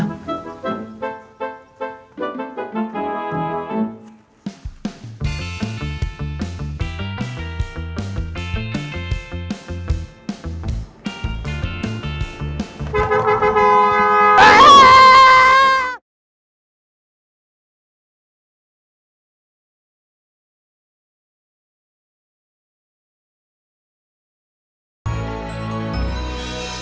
aduh ronyi gak ya